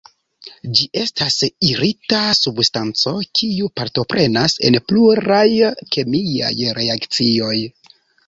Ĝi estas irita substanco kiu partoprenas en pluraj kemiaj reakcioj.